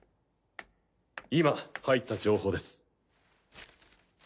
今入った情報です。